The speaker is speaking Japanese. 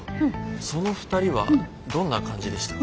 その２人はどんな感じでした？